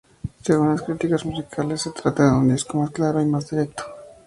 Según las críticas musicales, se trata de un disco más claro y más directo.